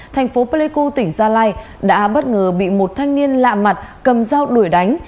thành phố pleiku tỉnh gia lai đã bất ngờ bị một thanh niên lạ mặt cầm dao đuổi đánh